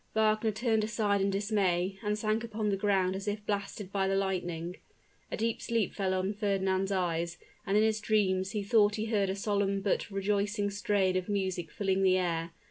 Wagner turned aside in dismay, and sank upon the ground as if blasted by the lightning. A deep sleep fell on Fernand's eyes, and in his dreams he thought he heard a solemn but rejoicing strain of music filling the air.